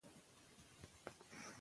د کتاب مطالعه مخکې له خرید مهمه ده.